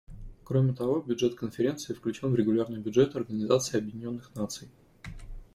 Кроме того, бюджет Конференции включен в регулярный бюджет Организации Объединенных Наций.